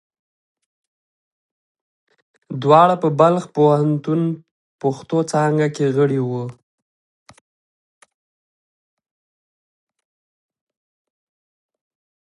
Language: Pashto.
دواړه په بلخ پوهنتون پښتو څانګه کې غړي وو.